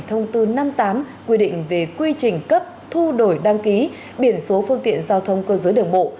thông tư năm mươi tám quy định về quy trình cấp thu đổi đăng ký biển số phương tiện giao thông cơ giới đường bộ